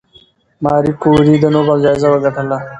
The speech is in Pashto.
ماري کوري د نوبل جایزه وګټله؟